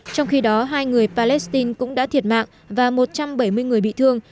trong khi đó hai người palestine cũng đã thiệt mạng và một trăm bảy mươi người bị thương